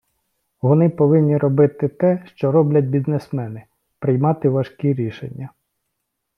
Вони повинні робити те, що роблять бізнесмени - приймати важкі рішення.